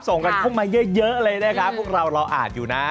ส่งกันเข้ามาเยอะเลยนะครับพวกเราเราอ่านอยู่นะ